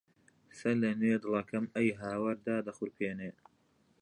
سەرلەنوێ دڵەکەم ئەی هاوار دادەخورپێنێ